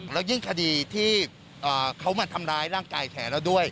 แล้วยิ่งคดีที่เขามาทำร้ายร่างกายแขนเราด้วย